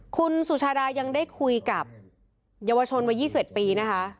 คุณสุชาดายังได้คุยกับเยาวชนวัย๒๑ปีนะคะ